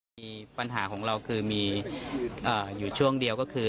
มีปัญหาของเราคือมีอยู่ช่วงเดียวก็คือ